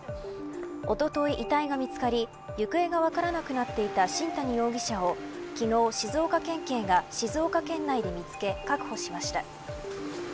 おととい遺体が見つかり行方が分からなくなっていた新谷容疑者を昨日、静岡県警が静岡県内で見つけ確保しました。